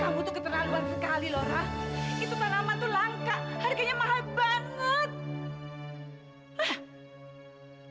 kamu tuh keterlaluan sekali lor itu tanaman tuh langka harganya mahal banget